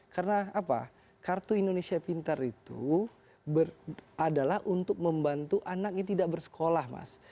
karena apa kartu indonesia pintar itu adalah untuk membantu anak yang tidak bersekolah mas